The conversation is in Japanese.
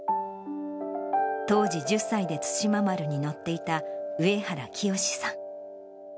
当時１０歳で対馬丸に乗っていた、上原清さん。